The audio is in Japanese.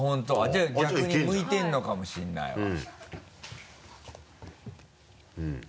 じゃあ逆に向いてるのかもしれないわ。